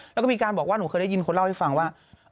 แล้วก็มีการบอกว่าหนูเคยได้ยินคนเล่าให้ฟังว่า